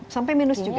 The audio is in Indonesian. sampai minus juga